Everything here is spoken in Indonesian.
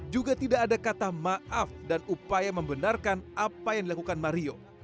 juga tidak ada kata maaf dan upaya membenarkan apa yang dilakukan mario